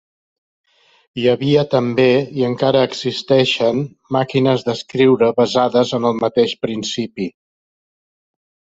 Hi havia també, i encara existeixen, màquines d'escriure basades en el mateix principi.